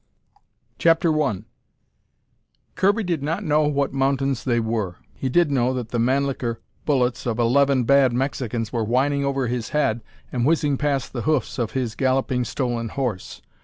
CHAPTER I Kirby did not know what mountains they were. He did know that the Mannlicher bullets of eleven bad Mexicans were whining over his head and whizzing past the hoofs of his galloping, stolen horse.